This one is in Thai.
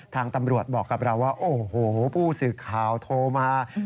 ทางตำรวจบอกกับเราว่าโอ้โหผู้สื่อข่าวโทรมา